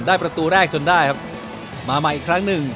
ประตูแรกจนได้ครับมาใหม่อีกครั้งหนึ่ง